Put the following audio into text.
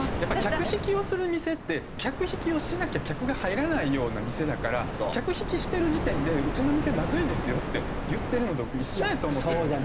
客引きをする店って客引きをしなきゃ客が入らないような店だから客引きしてる時点でうちの店まずいですよって言ってるのと一緒やと思ってるんですよ。